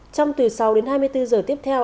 trong từ sáu đến hai mươi bốn giờ tiếp theo